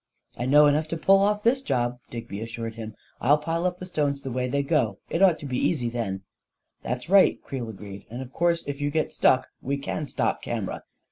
"" I know enough to pull off this job," Digby as sured him. " I'll pile up the stones the way they go — it ought to be easy, then." " That's right," Creel agreed. " And of course, if you get stuck, we can stop camera.